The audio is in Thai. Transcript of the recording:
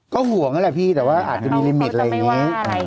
ก็ห่วงนั่นแหละพี่แต่ว่าอาจจะมีลิมิตอะไรอย่างนี้